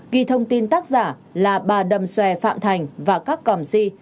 ghi thông tin tác giả là bà đầm xòe phạm thành và các còm si